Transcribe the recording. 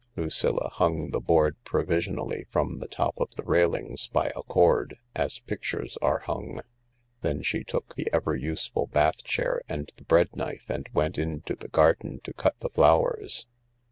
Lucilla hung the board provisionally from the top of the railings by a cord, as pictures are hung. Then she took the ever useful bath chair and the bread knife and went into the garden to cut the flowers.